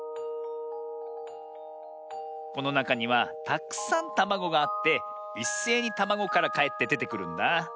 このなかにはたくさんたまごがあっていっせいにたまごからかえってでてくるんだ。